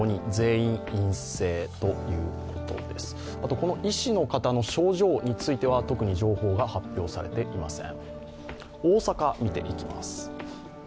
この医師の方の症状については特に情報が発表されていません。